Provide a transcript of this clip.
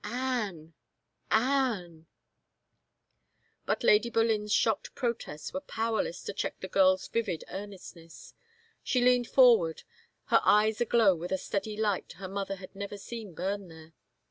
" Anne — Anne —" But Lady Boleyn's shocked protests were powerless to check the girl's vivid earnestness. She leaned forward, her eyes aglow with a steady light her mother had never seen bum there.